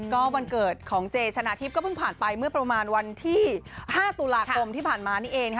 ก็วันเกิดของเจชนะทิพย์ก็เพิ่งผ่านไปเมื่อประมาณวันที่๕ตุลาคมที่ผ่านมานี่เอง